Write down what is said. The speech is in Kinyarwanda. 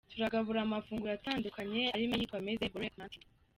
Turagabura amafunguro atandukanye arimo ayitwa ‘mezze, borek, manti.